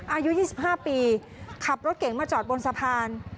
อายุยี่สิบห้าปีขับรถเก่งมาจอดบนสะพาน